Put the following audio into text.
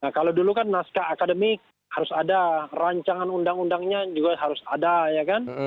kalau dulu kan naskah akademik harus ada rancangan undang undangnya juga harus ada ya kan